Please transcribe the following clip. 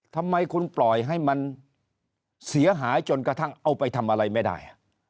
ทำไมคุณปล่อยให้มันเสียหายจนกระทั่งเอาไปทำอะไรไม่ได้